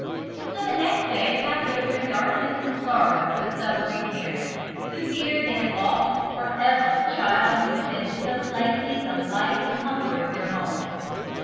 So the next day passed over in darkness and sorrow for the suffering parents, who feared that they had lost for ever the child who had been so lately the light and comfort of their home.